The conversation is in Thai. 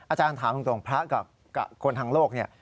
อาจารย์ถามตรงพระกับคนทางโลกเนี่ย